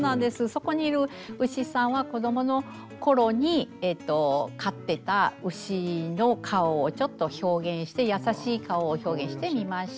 そこにいる牛さんは子どものころに飼ってた牛の顔をちょっと表現して優しい顔を表現してみました。